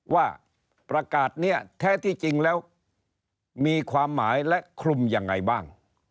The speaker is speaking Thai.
ว่าประกาศนี้แท้ที่จริงแล้วมีความหมายและคลุมยังไงบ้าง